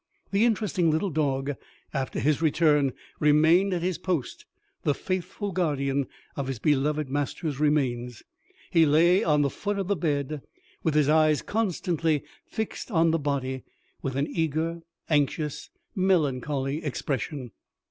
The interesting little dog, after his return, remained at his post, the faithful guardian of his beloved master's remains. He lay on the foot of the bed, with his eyes constantly fixed on the body, with an eager, anxious, melancholy expression.